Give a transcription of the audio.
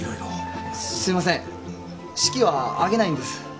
すいません式は挙げないんです。